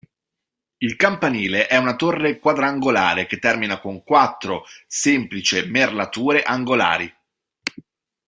Il campanile è una torre quadrangolare, che termina con quattro semplice merlature angolari.